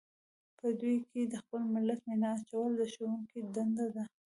په دوی کې د خپل ملت مینه اچول د ښوونکو دنده ده.